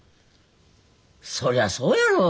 そりゃそうやろ。